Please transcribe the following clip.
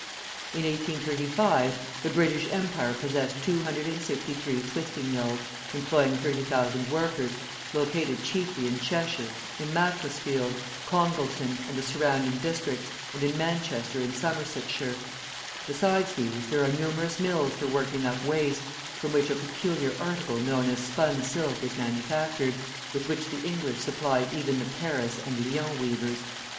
In 1835 the British Empire possessed 263 twisting mills, employing 30,000 workers, located chiefly in Cheshire, in Macclesfield, Congleton, and the surrounding districts, and in Manchester and Somersetshire. Besides these, there are numerous mills for working up waste, from which a peculiar article known as spun silk is manufactured, with which the English supply even the Paris and Lyons weavers.